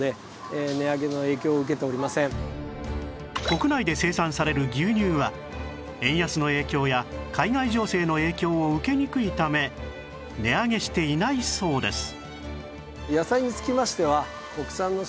国内で生産される牛乳は円安の影響や海外情勢の影響を受けにくいため値上げしていないそうです